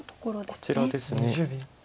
こちらですね。